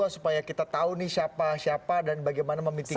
supaya kita tahu siapa siapa dan bagaimana memitigasinya